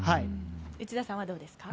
内田さんはどうですか？